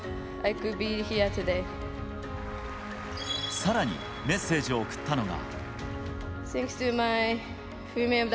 さらにメッセージを送ったのが。